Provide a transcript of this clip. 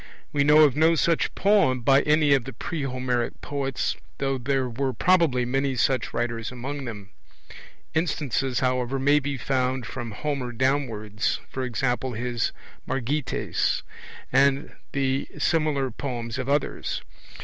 We know of no such poem by any of the pre Homeric poets, though there were probably many such writers among them; instances, however, may be found from Homer downwards, e.g. his Margites, and the similar poems of others.